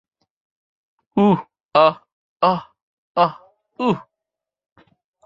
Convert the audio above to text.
উহ, এহ, এহ, এহ, উহ।